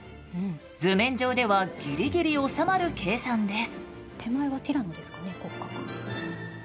図面上ではギリギリ収まる計算です。